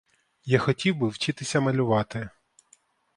Я хотів би вчитися малювати.